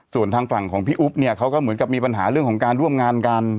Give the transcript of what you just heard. ส่วนทางฝั่งของพี่อุ๊บเนี่ยเขาก็เหมือนกับมีปัญหาเรื่องของการร่วมงานกัน